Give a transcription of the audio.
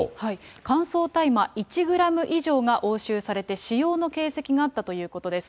乾燥大麻１グラム以上が押収されて、使用の形跡があったということです。